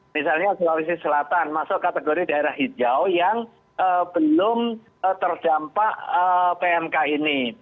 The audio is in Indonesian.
misalnya sulawesi selatan masuk kategori daerah hijau yang belum terdampak pmk ini